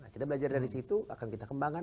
kita belajar dari situ akan kita kembangkan